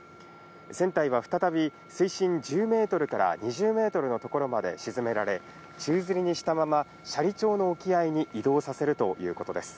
船体は再び水深１０メートルから２０メートルの所まで沈められ、宙づりにしたまま、斜里町の沖合に移動させるということです。